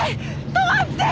止まって！